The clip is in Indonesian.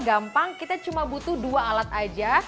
gampang kita cuma butuh dua alat aja